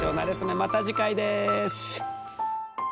また次回です。